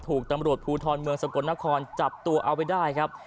ถูกตำรวจภูทรเมืองสกลนครจับตัวเอาไปได้ครับ